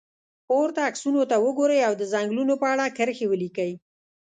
پورته عکسونو ته وګورئ او د څنګلونو په اړه کرښې ولیکئ.